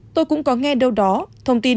tôi cũng có nghe đâu đó thông tin